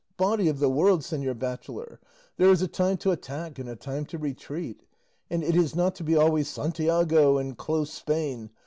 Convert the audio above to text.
Body of the world, señor bachelor! there is a time to attack and a time to retreat, and it is not to be always 'Santiago, and close Spain!